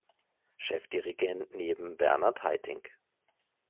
Chefdirigent neben Bernard Haitink.